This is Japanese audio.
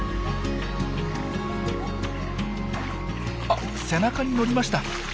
あ背中に乗りました。